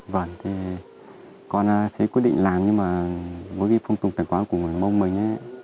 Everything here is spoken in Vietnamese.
vâng thì con sẽ quyết định làm nhưng mà với cái phong tục tài quán của môn mình